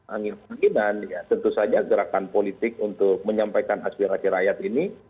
angin anginan ya tentu saja gerakan politik untuk menyampaikan aspirasi rakyat ini